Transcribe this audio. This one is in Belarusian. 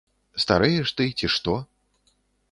Старэеш ты, ці што?